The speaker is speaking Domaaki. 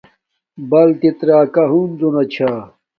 بلتت راکا ہنزو نا چھا